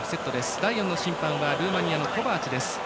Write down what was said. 第４の審判はルーマニアのコバーチです。